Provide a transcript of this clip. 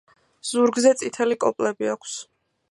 ზურგზე წითელი კოპლები აქვს.